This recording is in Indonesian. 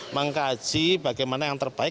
mengkaji bagaimana yang terbaik